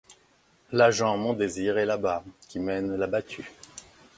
L'agent Mondésir est là-bas, qui mène la battue.